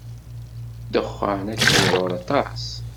Ddexxan ad kem-iḍurr aṭas.